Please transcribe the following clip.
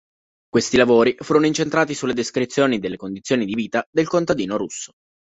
Questi lavori furono incentrati sulle descrizioni delle condizioni di vita del contadino russo.